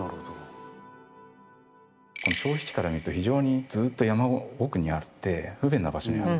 消費地から見ると非常にずっと山奥にあって不便な場所にある。